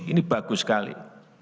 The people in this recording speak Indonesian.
ini bagus sekali